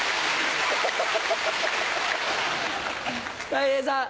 たい平さん。